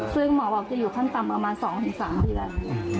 ซึ่งหมอบอกจะอยู่ขั้นต่ำประมาณ๒๓เดือน